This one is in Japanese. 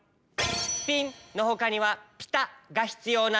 「ピン」のほかには「ピタ」がひつようなんだピン。